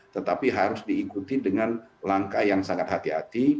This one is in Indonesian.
tetapi harus diikuti dengan langkah yang sangat hati hati